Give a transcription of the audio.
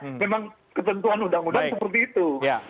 memang ketentuan undang undang seperti itu